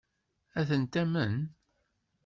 Ad tent-tamen?